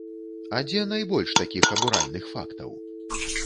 А дзе найбольш такіх абуральных фактаў?